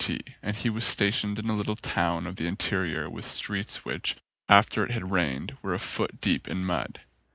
T. and he was stationed in a little town of the interior with streets which, after it had rained, were a foot deep in mud.